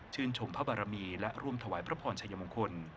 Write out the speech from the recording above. ชมพระบารมีและร่วมถวายพระพรชัยมงคล